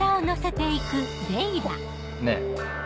ねぇ。